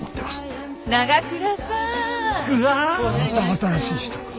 また新しい人か。